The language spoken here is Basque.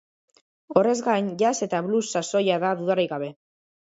Horrez gain, jazz eta blues sasoia da dudarik gabe.